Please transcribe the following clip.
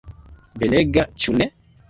Belega, ĉu ne?